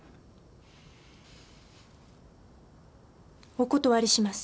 お断りします。